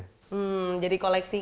hmm jadi koleksi kang